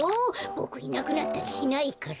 ボクいなくなったりしないから。